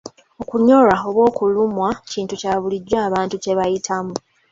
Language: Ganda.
Okunyolwa oba okulumwa kintu kya bulijjo abantu kya bayitamu.